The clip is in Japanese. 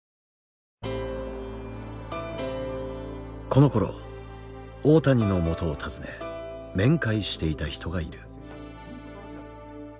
このころ大谷のもとを訪ね面会していた人がいる。